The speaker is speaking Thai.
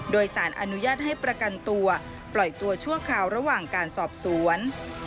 โดยสารอนุญาตให้ประกันตัวปล่อยตัวชั่วคราวระหว่างการสอบสวน